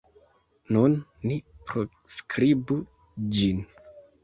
Nun ni proskribu ĝin.